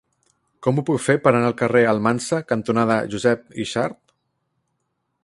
Com ho puc fer per anar al carrer Almansa cantonada Josep Yxart?